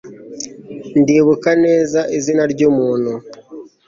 Ndibuka neza izina ryumuntu